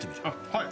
はい。